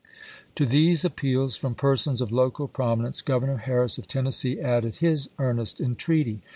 To these appeals from persons of local promi nence, Grovernor Harris of Tennessee added his earnest entreaty.